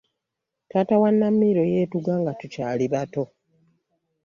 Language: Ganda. Taata wa Namiiro yeetuga nga tukyali bato.